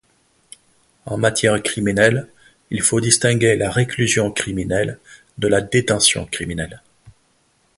En matière criminelle, il faut distinguer la réclusion criminelle de la détention criminelle.